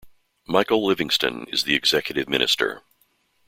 Michael Livingston is the Executive Minister.